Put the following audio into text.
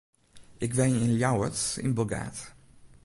Ik wenje yn Ljouwert, yn Bilgaard.